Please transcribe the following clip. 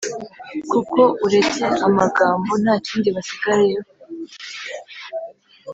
kuko uretse amagambo nta kindi basigariyeho